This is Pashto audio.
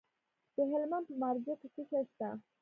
د هلمند په مارجه کې څه شی شته؟